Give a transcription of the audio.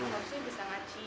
maksudnya bisa mengaji